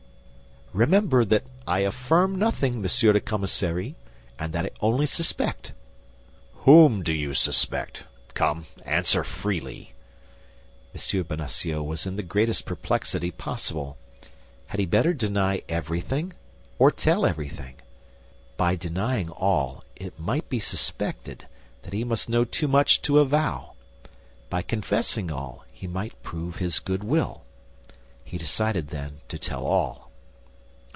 "Remember that I affirm nothing, Monsieur the Commissary, and that I only suspect." "Whom do you suspect? Come, answer freely." M. Bonacieux was in the greatest perplexity possible. Had he better deny everything or tell everything? By denying all, it might be suspected that he must know too much to avow; by confessing all he might prove his good will. He decided, then, to tell all.